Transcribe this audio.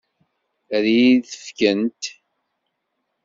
Ad iyi-t-fkent?